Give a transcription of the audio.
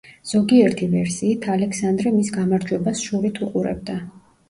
ზოგიერთი ვერსიით ალექსანდრე მის გამარჯვებას შურით უყურებდა.